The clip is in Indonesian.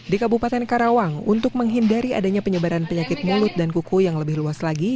di kabupaten karawang untuk menghindari adanya penyebaran penyakit mulut dan kuku yang lebih luas lagi